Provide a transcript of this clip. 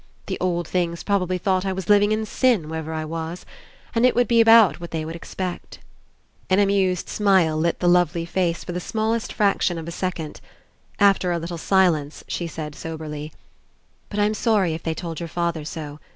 The old things probably thought I was living In sin, wherever I was. And it would be about what they expected." An amused smile lit the lovely face for the smallest fraction of a second. After a little silence she said soberly: "But I'm sorry if they told your father so.